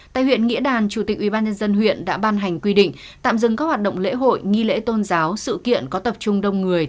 tại huyện nghĩa đàn chủ tịch ubnd huyện đã ban hành quy định tạm dừng các hoạt động lễ hội nghi lễ tôn giáo sự kiện có tập trung đông người